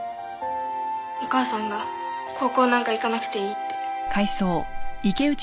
お母さんが高校なんか行かなくていいって。